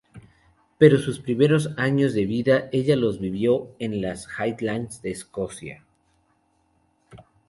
Pero sus primeros años de vida ella los vivió en las Highlands de Escocia.